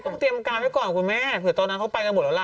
เตรียมการไว้ก่อนคุณแม่เผื่อตอนนั้นเขาไปกันหมดแล้วล่ะ